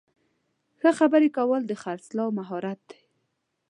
ښه خبرې کول د خرڅلاو مهارت دی.